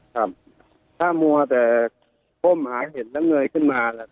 ครับถ้ามัวแต่ก้มหาเห็นแล้วเงยขึ้นมา